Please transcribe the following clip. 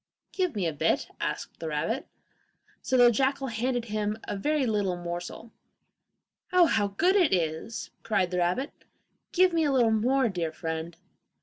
'Give me a bit,' asked the rabbit. So the jackal handed him a very little morsel. 'Oh, how good it is!' cried the rabbit; 'give me a little more, dear friend!